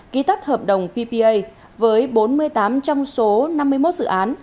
ký tắt hợp đồng ppa với bốn mươi tám trong số năm mươi một dự án